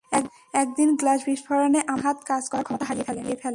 একদিন গ্লাস বিস্ফোরণে আমার ডান হাত কাজ করার ক্ষমতা হারিয়ে ফেলে।